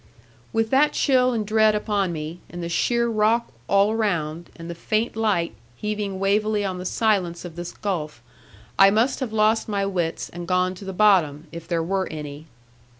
With that chill and dread upon me, and the sheer rock all around, and the faint light heaving wavily on the silence of this gulf, I must have lost my wits and gone to the bottom, if there were any.